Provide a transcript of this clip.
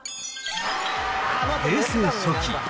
平成初期。